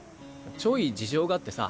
ちょい事情があってさ